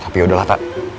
tapi yaudahlah tak